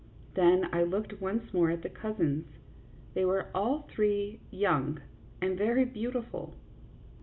Then I looked once more at the cousins ; they were all three young and very beautiful.